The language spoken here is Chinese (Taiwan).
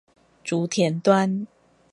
竹田端